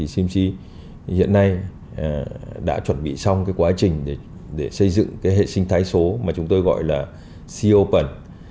cmc hiện nay đã chuẩn bị xong quá trình xây dựng hệ sinh thái số mà chúng tôi gọi là c open